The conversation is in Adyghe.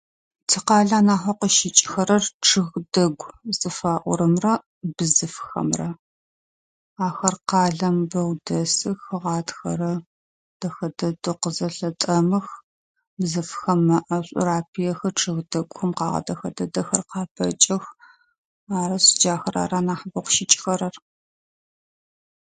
Тикъалэ нахьэу къыщыкӏыхэрэр чыг дэгу зыфаӏорэмрэ бзыфхэмрэ. Ахэр къалэм бэу дэсых, гъатхэрэ дэхэ дэдэ къызэлъэтӏамых, бзыфхэ мэ ӏэшӏур апэхы, чыг дэгухэм къэгъагъэ дэдэхэ къапэкӏэх. Арышъ джахэр ар анахь бэ къыщыкӏэхэрэр.